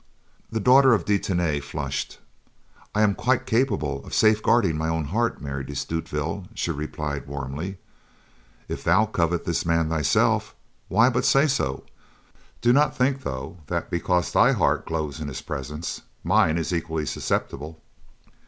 The daughter of De Tany flushed. "I am quite capable of safeguarding my own heart, Mary de Stutevill," she replied warmly. "If thou covet this man thyself, why, but say so. Do not think though that, because thy heart glows in his presence, mine is equally susceptible."